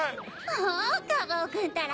もうカバオくんったら！